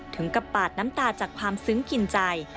ถึงกับปาดน้ำตาจากความซึ้งกินใจ